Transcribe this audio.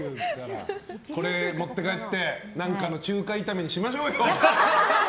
これ持って帰って何かの中華炒めにしましょうよ。